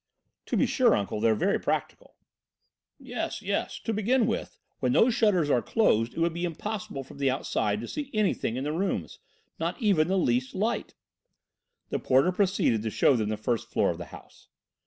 "To be sure, Uncle, they are very practical." "Yes, yes; to begin with, when those shutters are closed it would be impossible from the outside to see anything in the rooms. Not even the least light." The porter proceeded to show them the first floor of the house.